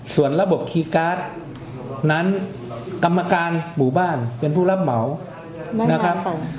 ส่วนระบบคีย์การ์ดนั้นกรรมการหมู่บ้านเป็นผู้รับเหมานะครับ